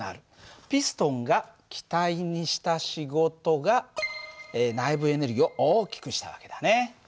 ピストンが気体にした仕事が内部エネルギーを大きくした訳だね。